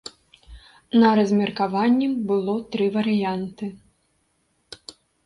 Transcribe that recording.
На размеркаванні было тры варыянты.